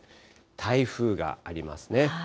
台風がありますね。